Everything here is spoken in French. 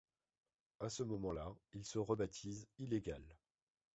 À ce moment-là, ils se rebaptisent Ilegale.